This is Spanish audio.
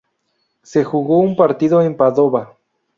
Se jugó a un partido en Padova.